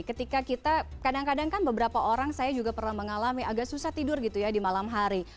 ketika kita kadang kadang kan beberapa orang saya juga pernah mengalami agak susah tidur gitu ya di malam hari